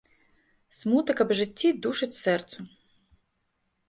Смутак аб жыцці душыць сэрца.